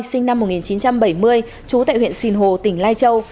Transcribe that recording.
sinh năm một nghìn chín trăm bảy mươi trú tại huyện sìn hồ tỉnh lai châu